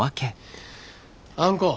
あんこ。